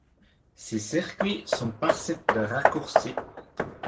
Ses circuits sont parsemés de raccourcis.